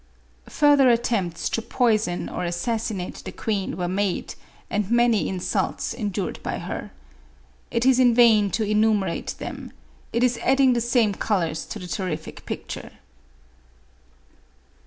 Further attempts to poison or assassinate the queen were made, and many insults endured by her. It is in vain to enumerate them ; it is adding the same colors to the terrific picture.